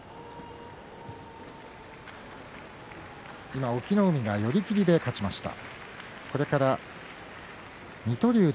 今、隠岐の海が寄り切りで勝ちました。